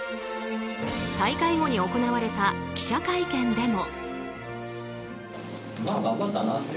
大会後に行われた記者会見でも。